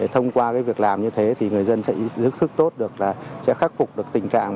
thông qua việc làm như thế thì người dân sẽ ước thức tốt được là sẽ khắc phục được tình trạng